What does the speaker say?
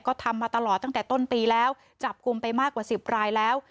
ก็ทำมาตลอดตั้งแต่ต้นปีแล้วจับกลุ่มไปมากกว่า๑๐รายแล้ว